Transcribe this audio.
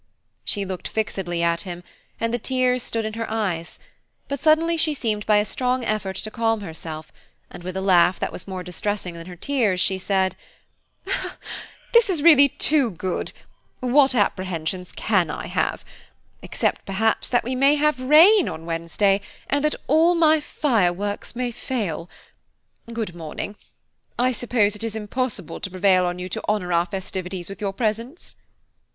She looked fixedly at him, and the tears stood in her eyes; but suddenly she seemed by a strong effort to calm herself, and, with a laugh that was more distressing than her tears, she said, "This is really too good ! what apprehensions can I have? except perhaps that we may have rain on Wednesday, and that all my fireworks may fail. Good morning–I suppose it is impossible to prevail on you to honour our festivities with your presence?"